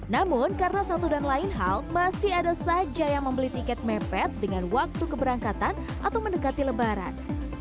namun karena satu dan lain hal masih ada saja yang membeli tiket mepet dengan waktu keberangkatan atau mendekati lebaran